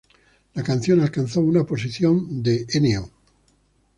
La canción alcanzó un posición de No.